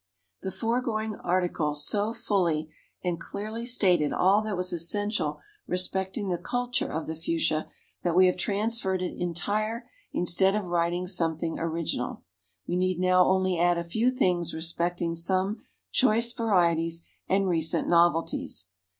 _ The foregoing article so fully and clearly stated all that was essential respecting the culture of the Fuchsia, that we have transferred it entire instead of writing something original. We need now only add a few things respecting some choice varieties and recent novelties.